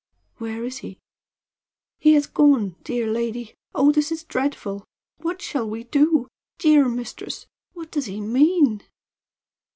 "Where is he?" "He has gone, dear lady. Oh, this is dreadful! What shall we do? Dear mistress, what does he mean?"